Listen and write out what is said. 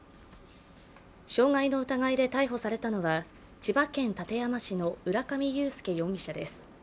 傷害の疑いで逮捕されたのは千葉県館山市の浦上裕介容疑者です。